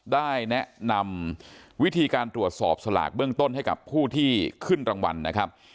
ได้แนะนำวิธีการตรวจสอบสลากเบื้องต้นให้กับผู้ที่ขึ้นรางวัลนะครับ